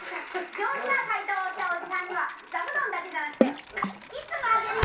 上手な回答をしたおじさんには、座布団だけじゃなくて、キスもあげるよ！